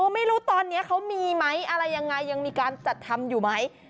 ไม่รู้ตอนนี้เขามีไหมอะไรยังไงยังมีการจัดทำอยู่ไหม